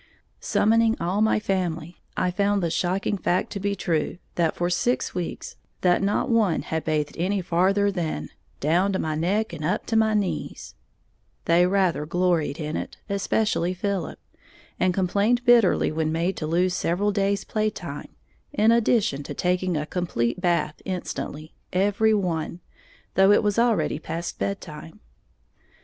Summoning all my family, I found the shocking fact to be true that for six weeks not one had bathed any farther than "down to my neck and up to my knees," they rather gloried in it, especially Philip, and complained bitterly when made to lose several days' play time, in addition to taking a complete bath instantly, every one, though it was already past bed time.